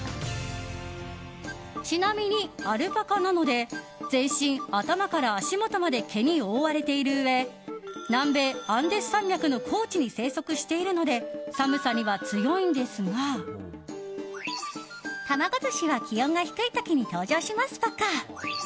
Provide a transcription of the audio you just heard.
ちなみにアルパカなので全身、頭から足元まで毛に覆われているうえ南米アンデス山脈の高地に生息しているので寒さには強いんですが。とのこと。